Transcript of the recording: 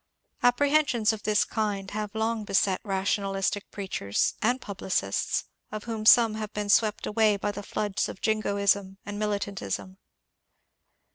Apprehensions of this kind have long beset rationalistic preachers and publicists, of whom some have been swept away by the floods of Jingoism and Militantism.